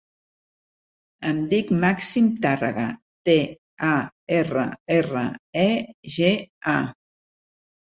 Em dic Màxim Tarrega: te, a, erra, erra, e, ge, a.